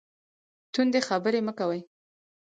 تندې خبرې مه کوئ